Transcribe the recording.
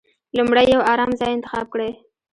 لومړی يو ارام ځای انتخاب کړئ.